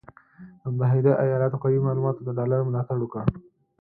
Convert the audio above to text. د متحده ایالاتو قوي معلوماتو د ډالر ملاتړ وکړ،